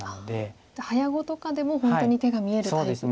じゃあ早碁とかでも本当に手が見えるタイプ。